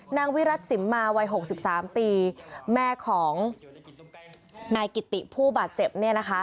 วิรัติสิมมาวัย๖๓ปีแม่ของนายกิติผู้บาดเจ็บเนี่ยนะคะ